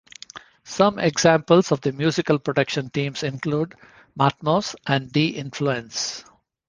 Some examples of musical production teams include Matmos and D-Influence.